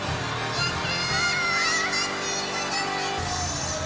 やった！